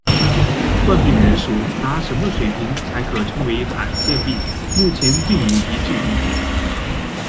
患病人数达什么水平才可称为罕见病目前并无一致意见。